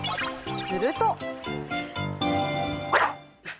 すると。